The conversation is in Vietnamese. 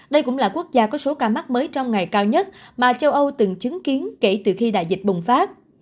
đây cũng là quốc gia có số ca mắc mới trong ngày cao nhất mà châu âu từng chứng kiến kể từ khi đại dịch bùng phát